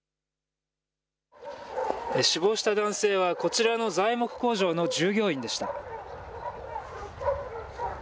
死亡した男性は、こちらの材木工場の従業員でした。